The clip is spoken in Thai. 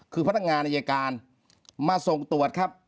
คือพนักงานอายการมาส่งตรวจครับ